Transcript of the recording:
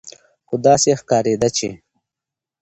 خو داسې ښکارېده چې